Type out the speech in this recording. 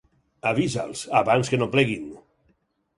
Avisa'ls, abans que no pleguin.